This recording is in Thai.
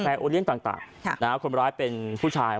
โอเลียนต่างคนร้ายเป็นผู้ชาย